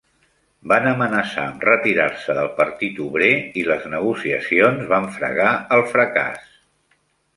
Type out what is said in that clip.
Van amenaçar amb retirar-se del Partit Obrer, i les negociacions van fregar el fracàs.